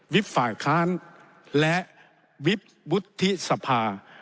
ฝ่ายค้านและวิบวุฒิสภา